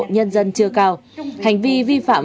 nhân dân chưa cao hành vi vi phạm